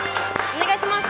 お願いします！